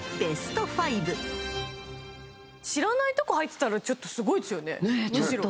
知らないとこ入ってたらちょっとすごいですよね。